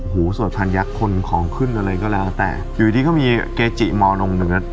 โหสวดชันยักษ์คนของขึ้นอะไรก็แล้วแต่อยู่ดีก็มีเกจิมอนมหนึ่งแล้ว